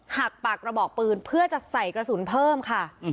หักปากกระบอกปืนเพื่อจะใส่กระสุนเพิ่มค่ะ